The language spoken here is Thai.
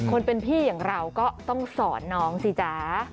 คนเป็นพี่อย่างเราก็ต้องสอนน้องสิจ๊ะ